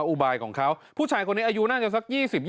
อุบายของเขาผู้ชายคนนี้อายุน่าจะสัก๒๐๒๐